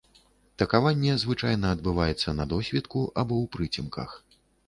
Такаванне звычайна адбываецца на досвітку або ў прыцемках.